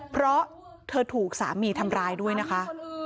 เพราะเธอถูกสามีทำร้ายด้วยนะคะ